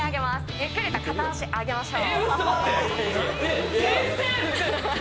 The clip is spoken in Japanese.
ゆっくりと片足あげましょう。